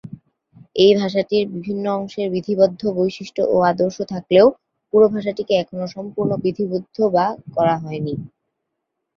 এই ভাষাটির বিভিন্ন অংশের বিধিবদ্ধ বৈশিষ্ট্য ও আদর্শ থাকলেও পুরো ভাষাটিকে এখনো সম্পূর্ণ বিধিবদ্ধ করা হয়নি।